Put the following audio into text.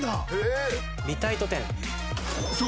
［そう。